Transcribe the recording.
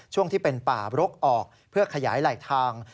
ช่วงที่เป็นป่าบรกออกเพื่อขยายไหลทาง